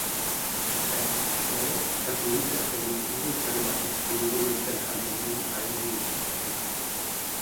Seit „Joy“ hat Lindberg seinen Stil, seine Orchestrierung und seine Harmonien allmählich verfeinert.